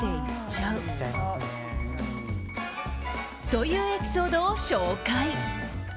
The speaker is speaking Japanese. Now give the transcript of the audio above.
というエピソードを紹介。